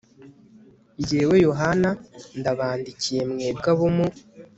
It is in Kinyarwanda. Jyewe Yohana ndabandikiye mwebwe abo mu